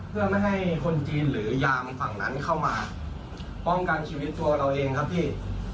เพื่อไม่ให้คนจีนหรือยามฝั่งนั้นเข้ามาป้องกันชีวิตตัวเราเองครับพี่